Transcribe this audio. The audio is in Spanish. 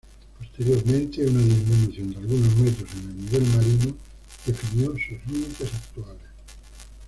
Posteriormente, una disminución de algunos metros en el nivel marino definió sus límites actuales.